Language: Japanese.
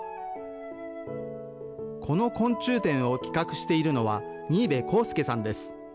この昆虫展を企画しているのは、新部公亮さんです。